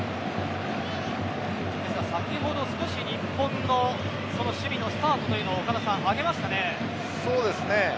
先ほど、少し日本の守備のスタートというの岡田さん、挙げましたね。